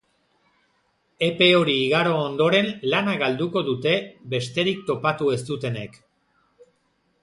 Epe hori igaro ondoren lana galduko dute, besterik topatu ez dutenek.